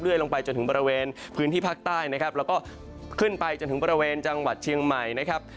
ลงไปจนถึงบริเวณพื้นที่ภาคใต้นะครับแล้วก็ขึ้นไปจนถึงบริเวณจังหวัดเชียงใหม่นะครับ